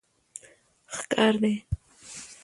ښکار دي